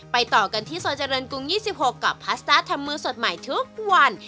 ต่อกันที่ซอยเจริญกรุง๒๖กับพาสต้าทำมือสดใหม่ทุกวัน